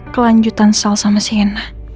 kelanjutan sel sama siena